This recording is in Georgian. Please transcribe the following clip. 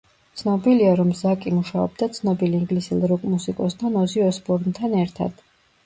ცნობილია, რომ ზაკი მუშაობდა ცნობილ ინგლისელ როკ–მუსიკოსთან, ოზი ოსბორნთან ერთად.